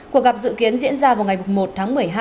cuộc gặp dự kiến diễn ra vào ngày một tháng một mươi hai